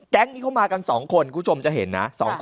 แก๊งนี้เขามากันสองคนคุณผู้ชมจะเห็นนะ